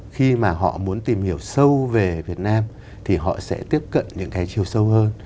khi mà họ muốn tìm hiểu sâu về việt nam thì họ sẽ tiếp cận những cái chiều sâu hơn